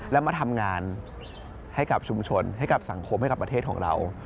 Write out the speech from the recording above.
แล้วมาทำงานให้กับชุมชนให้กับสังคมให้กับประเทศของเรา